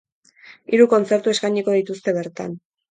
Hiru kontzertu eskainiko dituzte bertan.